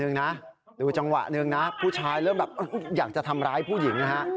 คุณดูจังหวะหนึ่งนะผู้ชายเริ่มอยากจะทำร้ายผู้หญิงนะ